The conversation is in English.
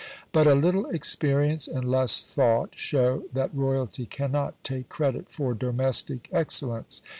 But a little experience and less thought show that royalty cannot take credit for domestic excellence.